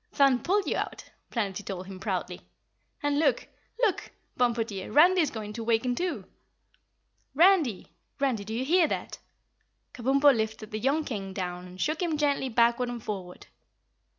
"Thun pulled you out," Planetty told him proudly. "And look, LOOK, Bumpo dear, Randy is going to waken, too." "Randy! Randy, do you hear that?" Kabumpo lifted the young King down and shook him gently backward and forward.